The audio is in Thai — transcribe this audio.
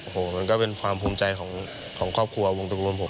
โอ้โหมันก็เป็นความภูมิใจของครอบครัววงตกลงผม